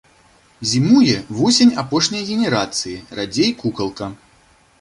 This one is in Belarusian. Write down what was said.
Зімуе вусень апошняй генерацыі, радзей кукалка.